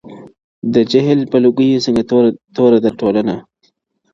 د جهل په لوګيو څنګه توره ده ټولنه